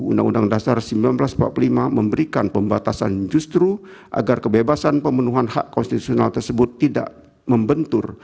undang undang dasar seribu sembilan ratus empat puluh lima memberikan pembatasan justru agar kebebasan pemenuhan hak konstitusional tersebut tidak membentur